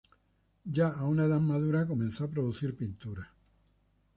Ya a una edad madura, comenzó a producir pinturas.